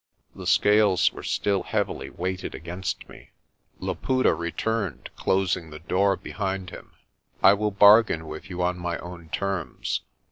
The scales were still heavily weighted against me. Laputa returned, closing the door behind him. "I will bargain with you on my own terms.